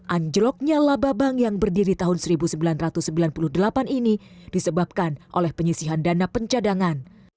anjloknya laba bank yang berdiri tahun seribu sembilan ratus sembilan puluh delapan ini disebabkan oleh penyisihan dana pencadangan